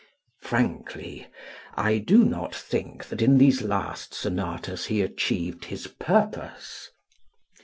Frankly, I do not think that in these last sonatas he achieved his purpose.